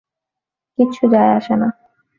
কিচ্ছু যায় আসে না।